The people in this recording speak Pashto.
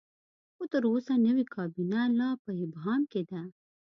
خو تر اوسه نوې کابینه لا په ابهام کې ده.